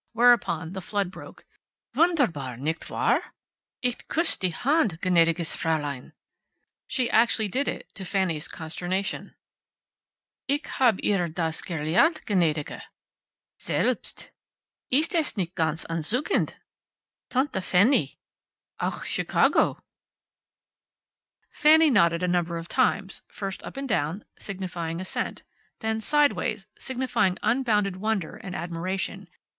Whereupon the flood broke. "Wunderbar, nicht war! Ich kuss' die handt, gnadiges Fraulein." She actually did it, to Fanny's consternation. "Ich hab' ihr das gelernt, Gnadige. Selbst. Ist es nicht ganz entzuckend! Tante Fanny. Auch Shecago." Fanny nodded a number of times, first up and down, signifying assent, then sideways, signifying unbounded wonder and admiration.